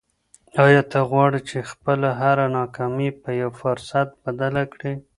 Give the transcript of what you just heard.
آیا ته غواړې چې خپله هره ناکامي په یو فرصت بدله کړې؟